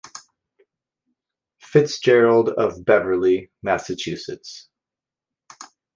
Fitzgerald of Beverly, Massachusetts.